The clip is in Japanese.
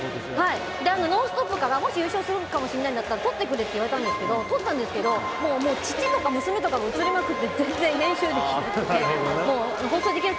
「ノンストップ！」からもし優勝するかもしれないなら撮ってくれって言われたんですけど撮ったんですけど小さい時の娘とか映りまくって編集できなくて放送できない。